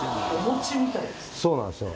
そうなんですよ。